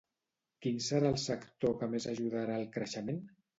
Quin serà el sector que més ajudarà al creixement?